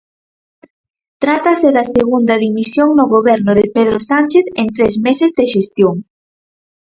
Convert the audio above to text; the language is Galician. Trátase da segunda dimisión no Goberno de Pedro Sánchez en tres meses de xestión.